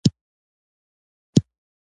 انجلۍ باید سینګار وکړي.